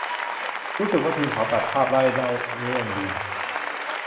รู้สึกว่า ทีมเขาตัดภาพได้เล่าเรื่องดี